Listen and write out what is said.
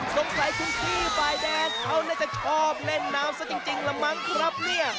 สงสัยคุณพี่ฝ่ายแดงเขาน่าจะชอบเล่นน้ำซะจริงละมั้งครับเนี่ย